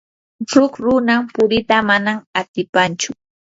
ruku runa purita manam atipanchu.